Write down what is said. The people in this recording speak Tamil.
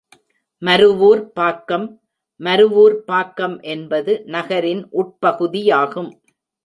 மருவூர்ப் பாக்கம் மருவூர்ப் பாக்கம் என்பது நகரின் உட்பகுதியாகும்.